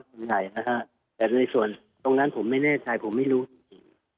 สงสัยนะฮะแต่ในส่วนตรงนั้นผมไม่แน่ใจผมไม่รู้จริง